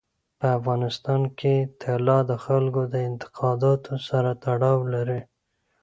په افغانستان کې طلا د خلکو د اعتقاداتو سره تړاو لري.